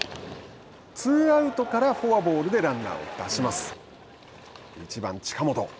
ツーアウトからフォアボールでランナーを出します。